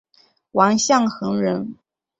王象恒人。